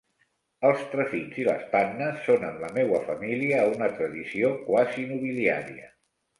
Els trefins i les pannes són en la meua família una tradició quasi nobiliària.